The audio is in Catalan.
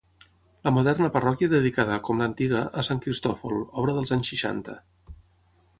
La moderna parròquia dedicada, com l'antiga, a Sant Cristòfol, obra dels anys seixanta.